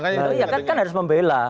ya kan harus membela